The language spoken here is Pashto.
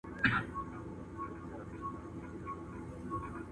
پرون یې بیا راته په شپو پسي شپې ولیکلې ..